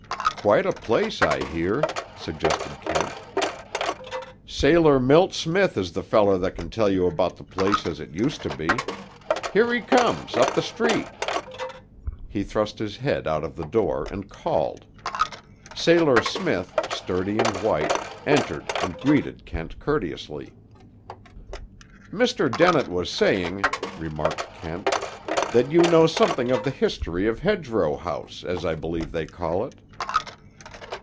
"Quite a place, I hear," suggested Kent. "Sailor Milt Smith is the feller that can tell you about the place as it used to be. Here he comes, up the street." He thrust his head out of the door and called. Sailor Smith, sturdy and white, entered and greeted Kent courteously. "Mr. Dennett was saying," remarked Kent, "that you know something of the history of Hedgerow House, as I believe they call it."